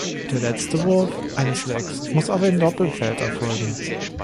Der letzte Wurf eines "Legs" muss auf ein Doppelfeld erfolgen.